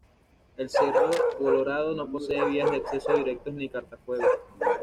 El Cerro Colorado no posee vías de acceso directos ni cortafuegos.